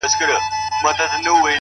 ه بيا دي په سرو سترگو کي زما ياري ده؛